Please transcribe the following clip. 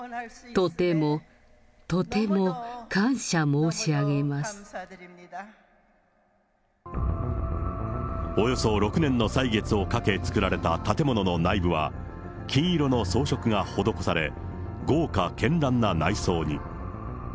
この美しい聖殿を奉献できたことに、とてもとても感謝申し上およそ６年の歳月をかけ作られた建物の内部は、金色の装飾が施され、豪華けんらんな内装に。